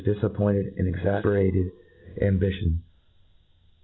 difapppbited and exafperated ambition.